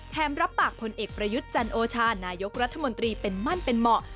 รับปากผลเอกประยุทธ์จันโอชานายกรัฐมนตรีเป็นมั่นเป็นเหมาะ